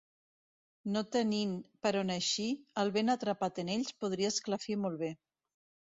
No tenint per on eixir, el vent atrapat en ells, podria esclafir molt bé.